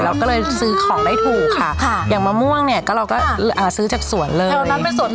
เราก็เลยซื้อของได้ถูกค่ะอย่างมะม่วงเนี่ยก็เราก็ซื้อจากสวนเลย